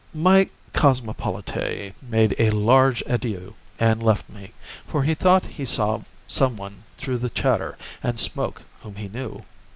My cosmopolite made a large adieu and left me, for he thought he saw some one through the chatter and smoke whom he knew.